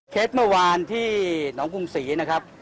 เมื่อวานที่หนองกรุงศรีนะครับ